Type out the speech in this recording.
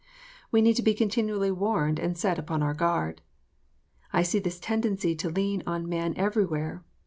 We need to be continually warned and set upon our guard. I see this tendency to lean on man everywhere.